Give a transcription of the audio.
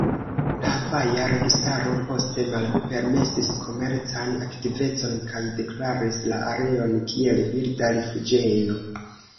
La havaja registaro poste malpermesis komercan aktivecon kaj deklaris la areon kiel birda rifuĝejo.